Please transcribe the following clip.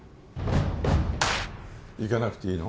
行かなくていいの？